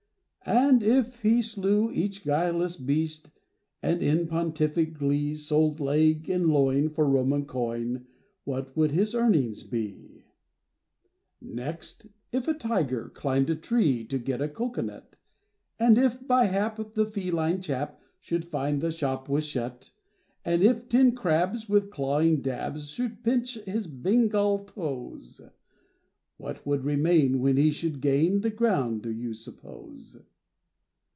And if he slew each guileless beast, And in pontific glee Sold leg and loin for Roman coin, What would his earnings be? Next, if a Tiger climbed a tree To get a cocoanut, And if by hap the feline chap Should find the shop was shut; And if ten crabs with clawing dabs Should pinch his Bengal toes, What would remain when he should gain The ground, do you suppose?